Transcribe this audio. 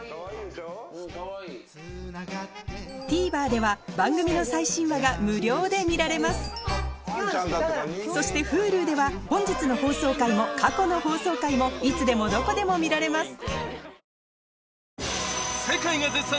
ＴＶｅｒでは番組の最新話が無料で見られますそしてＨｕｌｕでは本日の放送回も過去の放送回もいつでもどこでも見られます